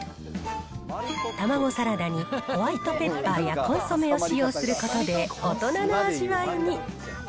たまごサラダにホワイトペッパーやコンソメを使用することで、大人の味わいに。